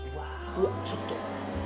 うわちょっと。